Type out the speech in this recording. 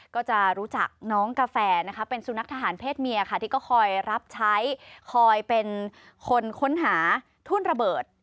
ก็จะรู้จักน้องกาแฟนะคะเป็นสุนัขทหารเพศเมียค่ะที่ก็คอยรับใช้คอยเป็นคนค้นหาทุ่นระเบิด